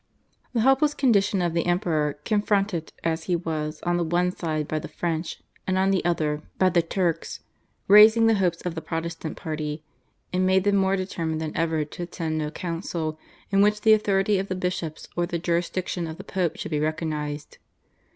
The helpless condition of the Emperor, confronted, as he was, on the one side by the French and on the other by the Turks, raised the hopes of the Protestant party, and made them more determined than ever to attend no Council in which the authority of the bishops or the jurisdiction of the Pope should be recognised.